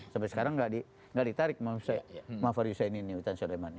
sampai sekarang tidak ditarik ma'afar yusain ini witan suleman